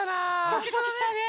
ドキドキしたね。